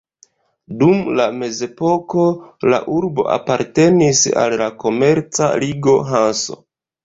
Dum la mezepoko la urbo apartenis al la komerca ligo Hanso.